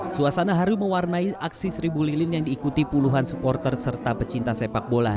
suasana haru mewarnai aksi seribu lilin yang diikuti puluhan supporter serta pecinta sepak bola